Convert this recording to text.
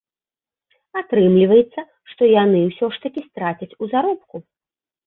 Атрымліваецца, што яны ўсё ж такі страцяць у заробку?